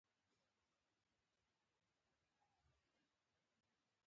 پخوا احمد ښه جامه نامه لرله، خو اوس یې خوند نشته.